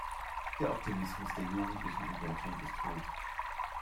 Der Optimismus der Jugendlichen in Deutschland ist hoch.